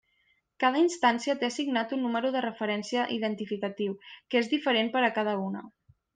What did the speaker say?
Cada instància té assignat un número de referència identificatiu, que és diferent per a cada una.